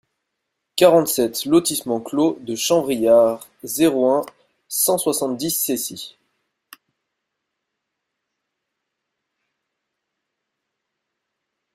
quarante-sept lotissement Clos de Champ-Vrillard, zéro un, cent soixante-dix Cessy